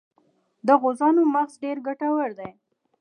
د غوزانو مغز ډیر ګټور دی.